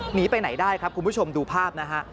หนีไปไหนได้ครับคุณผู้ชมดูภาพนะฮะ